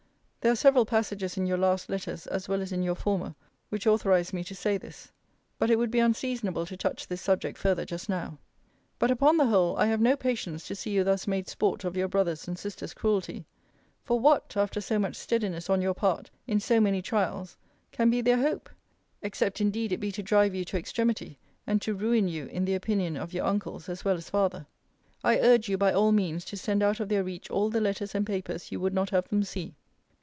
There are several passages in your last letters, as well as in your former, which authorize me to say this. But it would be unseasonable to touch this subject farther just now. But, upon the whole, I have no patience to see you thus made sport of your brother's and sister's cruelty: For what, after so much steadiness on your part, in so many trials, can be their hope? except indeed it be to drive you to extremity, and to ruin you in the opinion of your uncles as well as father. I urge you by all means to send out of their reach all the letters and papers you would not have them see.